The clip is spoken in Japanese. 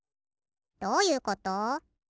どういうこと？